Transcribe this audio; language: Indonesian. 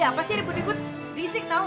ada apa sih ribut ribut risik tau